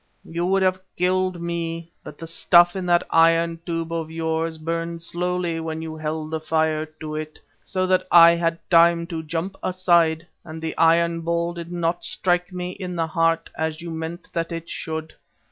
"You would have killed me, but the stuff in that iron tube of yours burned slowly when you held the fire to it, so that I had time to jump aside and the iron ball did not strike me in the heart as you meant that it should.